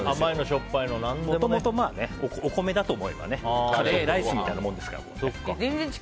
もともとお米だと思えばカレーライスみたいなもんですから。